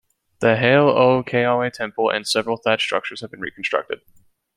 The Hale o Keawe temple and several thatched structures have been reconstructed.